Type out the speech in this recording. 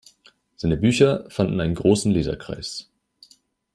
Seine Bücher fanden einen großen Leserkreis.